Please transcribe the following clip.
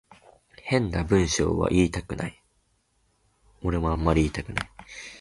変な文章は言いたくない